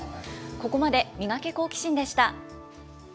ここまでミガケ、好奇心！でした。